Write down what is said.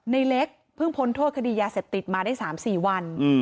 ในเล็กเพิ่งพ้นโทษคดียาเสพติดมาได้๓๔วัน